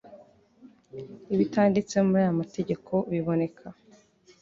Ibitanditse muri aya mategeko biboneka